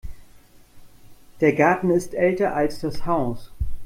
Der Garten ist älter als das Haus.